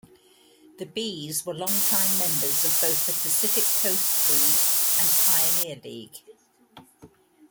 The Bees were long-time members of both the Pacific Coast League and Pioneer League.